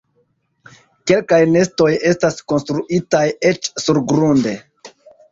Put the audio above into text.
Kelkaj nestoj estas konstruitaj eĉ surgrunde.